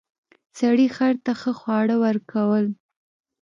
سړي خر ته ښه خواړه ورکول.